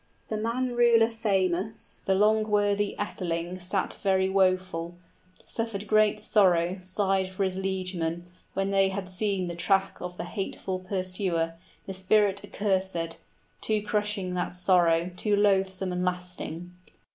The man ruler famous, The long worthy atheling, sat very woful, Suffered great sorrow, sighed for his liegemen, When they had seen the track of the hateful pursuer, The spirit accursèd: too crushing that sorrow, {The monster returns the next night.} 20 Too loathsome and lasting.